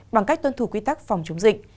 bằng cách tuân thủ quy tắc phòng chống dịch